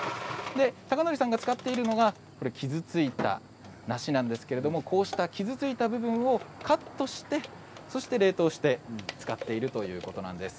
峰昇さんが使っているのが傷ついた梨なんですけれどもこうして傷ついた部分をカットしてそして冷凍して使っているということです。